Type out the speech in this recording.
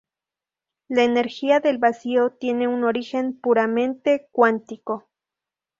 La energía del vacío tiene un origen puramente cuántico.